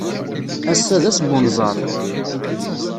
Ass-a d ass n unẓar.